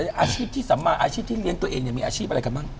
อาชีพที่สามารถอาชีพที่เรียนตัวเองเนี่ยมีอาชีพอะไรกันบ้าง